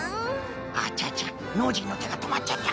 あちゃちゃノージーのてがとまっちゃった。